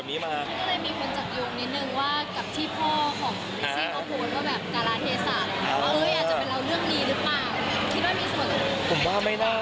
คิดว่ามีสน